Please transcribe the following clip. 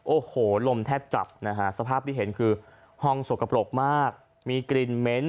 โอ้โหลมแทบจับนะฮะสภาพที่เห็นคือห้องสกปรกมากมีกลิ่นเหม็น